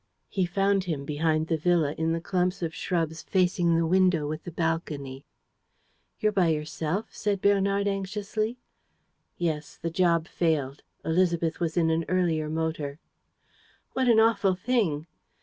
He found him behind the villa, in the clumps of shrubs facing the window with the balcony. "You're by yourself?" said Bernard, anxiously. "Yes, the job failed. Élisabeth was in an earlier motor." "What an awful thing!"